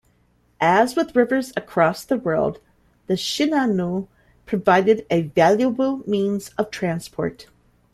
As with rivers across the world, the Shinano provided a valuable means of transport.